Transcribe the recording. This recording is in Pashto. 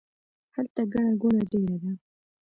هلته ګڼه ګوڼه ډیره ده